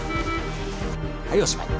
はいおしまい。